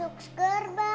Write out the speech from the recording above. masuk seger bang